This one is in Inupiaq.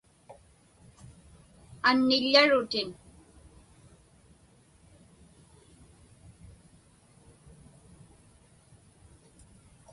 Anniḷḷarutin.